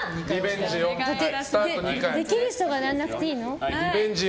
できる人がやらなくていいの？